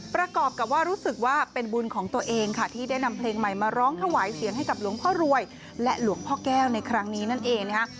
ประกอบกับว่ารู้สึกว่าเป็นบุญของตัวเองค่ะที่ได้นำเพลงใหม่มาร้องถวายเสียงให้กับหลวงพ่อรวยและหลวงพ่อแก้วในครั้งนี้นั่นเองนะคะ